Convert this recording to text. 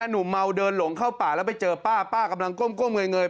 หนุ่มเมาเดินหลงเข้าป่าแล้วไปเจอป้าป้ากำลังก้มเงย